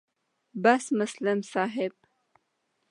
بس مسلم صاحب